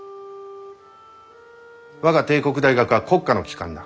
我が帝国大学は国家の機関だ。